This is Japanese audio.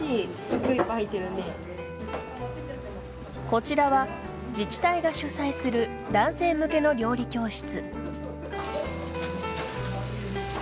こちらは、自治体が主催する男性向けの料理教室。